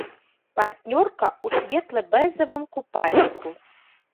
Партнёрка ў светла-бэзавым купальніку.